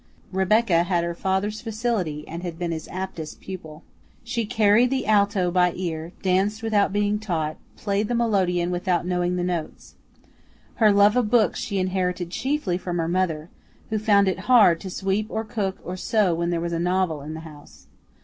Rebecca had her father's facility and had been his aptest pupil. She "carried" the alto by ear, danced without being taught, played the melodeon without knowing the notes. Her love of books she inherited chiefly from her mother, who found it hard to sweep or cook or sew when there was a novel in the house.